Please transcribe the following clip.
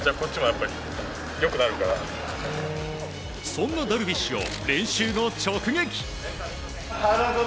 そんなダルビッシュを練習後、直撃。